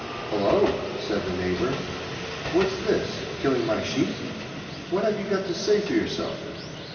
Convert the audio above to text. "Hello!" said the neighbour, "What's this? Killing my sheep! What have you got to say for yourself?"